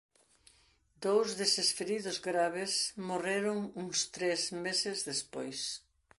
Dous deses feridos graves morreron uns tres meses despois.